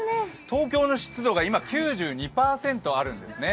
東京の湿度が今９２％あるんですね。